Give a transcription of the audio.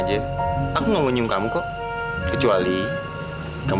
jadi w sama dengan f dikali s